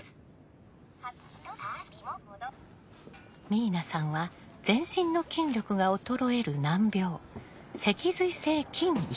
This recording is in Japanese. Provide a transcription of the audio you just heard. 明奈さんは全身の筋力が衰える難病脊髄性筋萎縮症です。